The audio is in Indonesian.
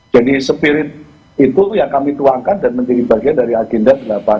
jadi spirit itu yang kami tuangkan dan menjadi bagian dari agenda